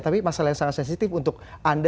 tapi masalah yang sangat sensitif untuk anda